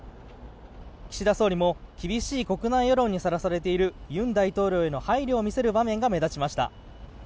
岸田総理も厳しい国内世論にさらされている尹大統領への配慮を見せる場面が目立ちました。